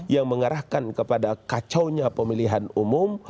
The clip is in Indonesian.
yang mengarahkan kepada kacaunya pemilihan umum